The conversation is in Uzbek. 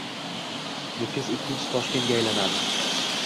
Nukus ikkinchi Toshkentga aylanadi